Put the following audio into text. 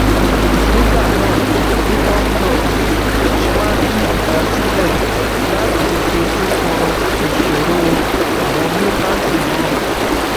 Thus Weapon Plus was created to address the so-called mutant problem.